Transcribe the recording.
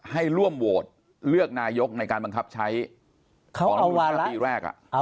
ให้ร่วมโหวตเลือกนายกในการบันคับใช้เดี๋ยวเษียวนี้แหละ